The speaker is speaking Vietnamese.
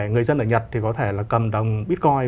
người dân ở nhật thì có thể là cầm đồng bitcoin